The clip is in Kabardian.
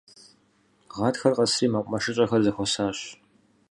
Гъатхэр къэсри мэкъумэшыщӀэхэр зэхуэсащ.